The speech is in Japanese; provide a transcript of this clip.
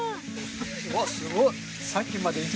うわっすごい！